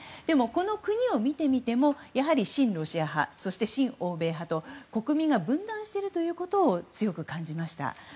でも、この国を見てみても親ロシア派そして親欧米派と国民が分断していることを強く感じました。